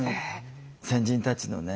先人たちのね